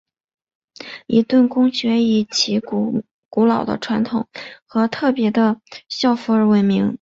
伊顿公学以其古老的传统和特别的校服而闻名。